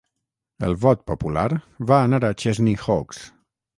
El vot popular va anar a Chesney Hawkes.